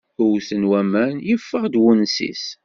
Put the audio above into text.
Wwten waman, yeffeɣ-d unsis.